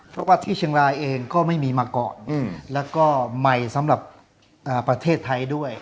เพราะว่าที่เชียงรายเองก็ไม่มีมาก่อนแล้วก็ใหม่สำหรับประเทศไทยด้วย